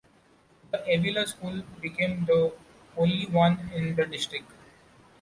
The Avilla school became the only one in the district.